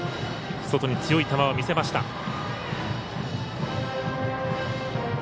外に強い球を見せました。